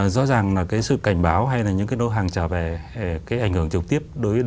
rõ ràng là cái sự cảnh báo hay là những cái lô hàng trở về cái ảnh hưởng trực tiếp